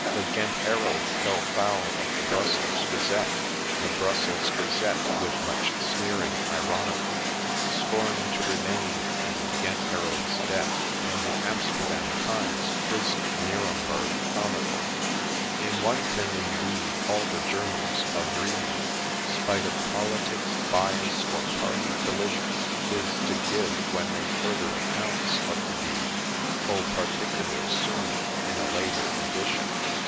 The ' Ghent Herald ' fell foul of the ' Bruxelles Gazette,' The ' Bruxelles Gazette,' with much sneering ironical, Scorn'd to remain in the ' Ghent Herald's ' debt, And the ' Amsterdam Times ' quizz'd the ' Nuremberg Chronicle.' In one thing, indeed, all the journals agreed, Spite of ' politics,' ' bias,' or ' party collision ;' Viz. : to ' give,' when they'd ' further accounts ' of the deed, ' Full particulars ' soon, in ' a later Edition.'